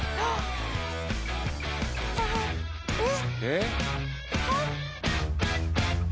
えっ？